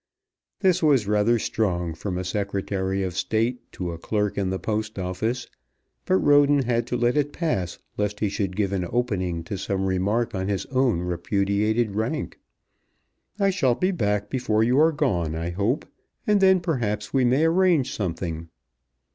This was rather strong from a Secretary of State to a Clerk in the Post Office; but Roden had to let it pass lest he should give an opening to some remark on his own repudiated rank. "I shall be back before you are gone, I hope, and then perhaps we may arrange something."